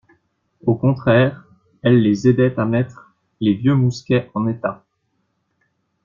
Au contraire, elles les aidaient à mettre les vieux mousquets en état.